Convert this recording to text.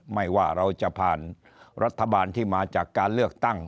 ไม่ว่าเราจะผ่านรัฐบาลที่มาจากการเลือกตั้ง